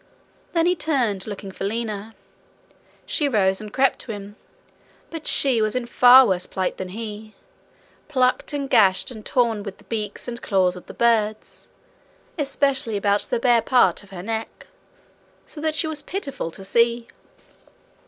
Then he turned, looking for Lina. She rose and crept to him. But she was in far worse plight than he plucked and gashed and torn with the beaks and claws of the birds, especially about the bare part of her neck, so that she was pitiful to see.